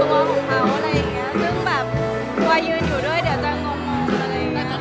ผมเองก็กลัวด้วยคำไปว่าเขาจะโกรธเรา